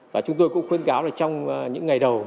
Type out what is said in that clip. và chúng tôi cũng khuyến cáo là trong những ngày đầu